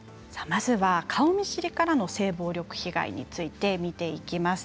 まずは顔見知りからの性暴力被害について見ていきます。